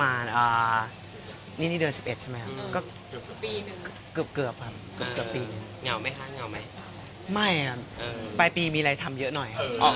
ไม่นะครับปลายปีมีอะไรทำเยอะหน่อยครับ